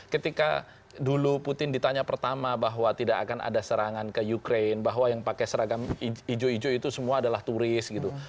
ketika dulu putin ditanya pertama bahwa tidak akan ada serangan ke ukraine bahwa yang pakai seragam hijau hijau itu semua adalah turis gitu